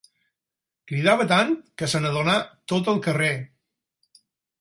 Cridava tant que se n'adonà tot el carrer.